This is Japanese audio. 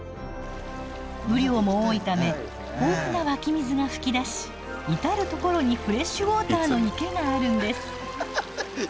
雨量も多いため豊富な湧き水が噴き出し至る所にフレッシュウォーターの池があるんです。